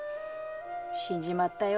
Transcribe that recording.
死んじまったよ。